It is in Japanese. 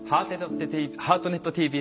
「ハートネットＴＶ